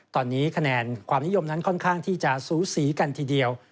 ตอนนี้คะแนนความนิยมนั้นค่อนข้างที่จะสูสีกันทีเดียว